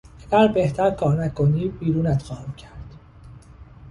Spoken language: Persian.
اگر بهتر کار نکنی بیرونت خواهم کرد!